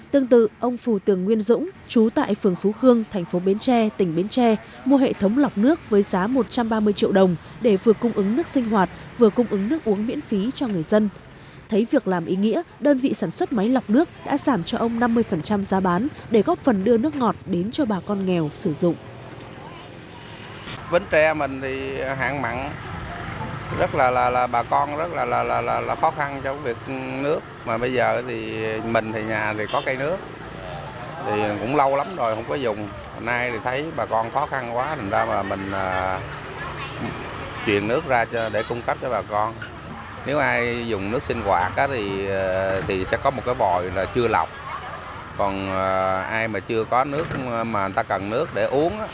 tương tự ông phù tường nguyên dũng trú tại phường phú hưng thành phố bến tre tỉnh bến tre tỉnh bến tre tỉnh bến tre tỉnh bến tre tỉnh bến tre tỉnh bến tre tỉnh bến tre tỉnh bến tre tỉnh bến tre tỉnh bến tre tỉnh bến tre tỉnh bến tre tỉnh bến tre tỉnh bến tre tỉnh bến tre tỉnh bến tre tỉnh bến tre tỉnh bến tre tỉnh bến tre tỉnh bến tre tỉnh bến tre tỉnh bến tre tỉnh bến tre tỉnh bến tre tỉnh bến tre tỉnh bến tre tỉnh bến